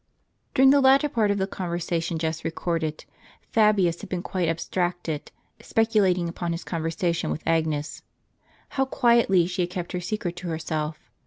URING the latter part of the conver sation just recorded, Fabius had been quite abstracted, speculating upon his conversation with Agnes. How quietly she had kept her secret to herself